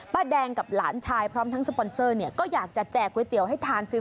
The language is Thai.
แดงกับหลานชายพร้อมทั้งสปอนเซอร์เนี่ยก็อยากจะแจกก๋วยเตี๋ยวให้ทานฟิล